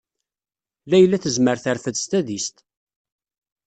Layla tezmer terfed s tadist.